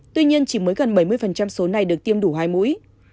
tuy nhiên chỉ mới gần bảy mươi số này được tiêm đủ hai mũi